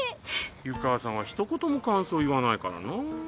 湯川さんはひと言も感想言わないからな。